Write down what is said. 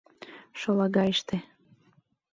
— Шолагайыште.